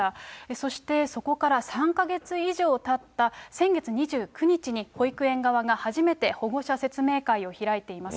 そしてそこから３か月以上たった先月２９日に、保育園側が初めて保護者説明会を開いています。